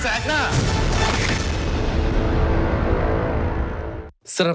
สุภาณีคชพรรณสมโพธ